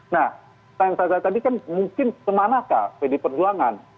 nah tanya shazza tadi kan mungkin kemana kah pdp perjuangan